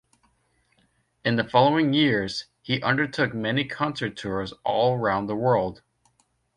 In the following years he undertook many concert tours all round the world.